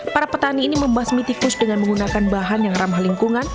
para petani ini membasmi tikus dengan menggunakan bahan yang ramah lingkungan